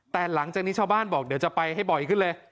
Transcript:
แต่หลังจากนี้ชาวบ้านบอกเดี๋ยวจะไปให้บ่อยขึ้นเลย